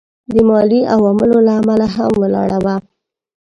د مالي عواملو له امله هم ولاړه وه.